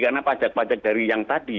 karena pajak pajak dari yang tadi